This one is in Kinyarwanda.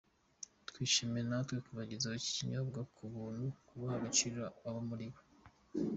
Twishimiye natwe kubagezaho iki kinyobwa ku bantu baha agaciro abo baribo.